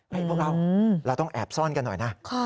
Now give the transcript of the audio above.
พวกเราเราต้องแอบซ่อนกันหน่อยนะ